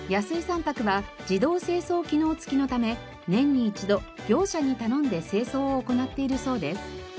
宅は自動清掃機能付きのため年に１度業者に頼んで清掃を行っているそうです。